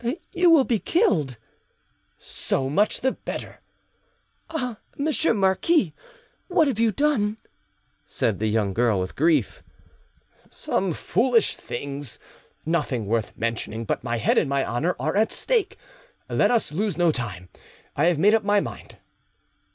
"You will be killed." "So much the better!" "Ah monsieur marquis, what have, you done?" said the young girl with grief. "Some foolish things! nothing worth mentioning; but my head and my honour are at stake. Let us lose no time; I have made up my mind."